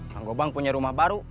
bang gobang punya rumah baru